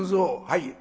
「はい」。